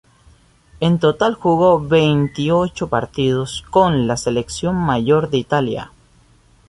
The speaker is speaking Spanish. En total jugó veintiocho partidos con la selección mayor de Italia.